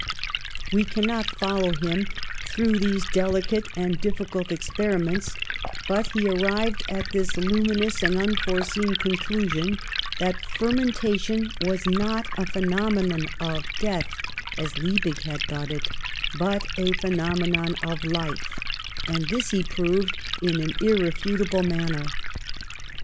We cannot follow him through these delicate and difficult experiments, but he arrived at this luminous and unforeseen conclusion that fer mentation was not a phenomenon of death, as Liebig had thought it, but a phenomenon of life, and this he proved in an irrefutable man ner.